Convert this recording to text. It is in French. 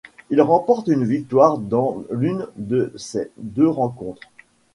Il remporte une victoire dans l'une de ces deux rencontres.